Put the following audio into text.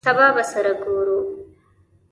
سبا به سره ګورو !